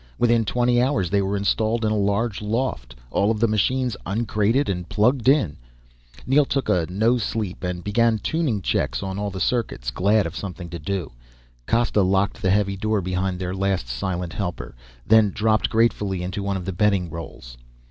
Within twenty hours they were installed in a large loft, all of the machines uncrated and plugged in. Neel took a no sleep and began tuning checks on all the circuits, glad of something to do. Costa locked the heavy door behind their last silent helper, then dropped gratefully onto one of the bedding rolls.